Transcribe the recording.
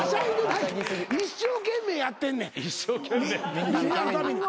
みんなのために。